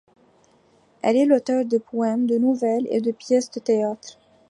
Elle est l'auteur de poèmes, de nouvelles et de pièces de théâtre.